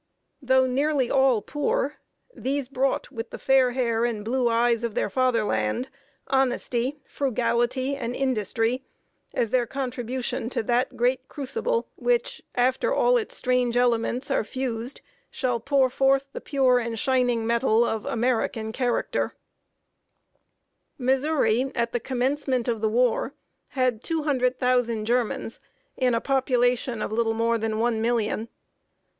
Though nearly all poor, these brought, with the fair hair and blue eyes of their fatherland, honesty, frugality, and industry, as their contribution to that great crucible which, after all its strange elements are fused, shall pour forth the pure and shining metal of American Character. [Sidenote: SOCIAL HABITS OF THE GERMANS.] Missouri, at the commencement of the war, had two hundred thousand Germans in a population of little more than one million.